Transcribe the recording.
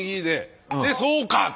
でそうか！